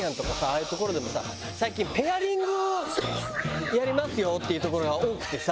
あいう所でもさ最近ペアリングやりますよっていう所が多くてさ。